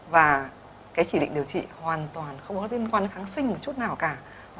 và cái chỉ định điều trị hoàn toàn không có liên quan đến kháng sinh một chút nào cả